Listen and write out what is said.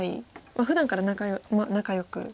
ふだんから仲よく。